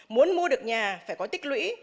muốn mua được nhà phải có tích lũy